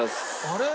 あれ？